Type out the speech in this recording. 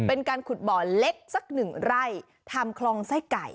เป็นการขุดบ่อเล็กสักหนึ่งไร่ทำคลองไส้ไก่